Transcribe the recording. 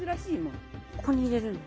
ここに入れるんだ。